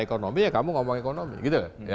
ekonomi ya kamu ngomong ekonomi gitu